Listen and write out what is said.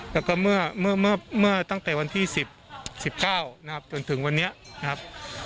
แล้วก็เมื่อตั้งแต่วันที่๑๙นะครับจนถึงวันนี้นะครับ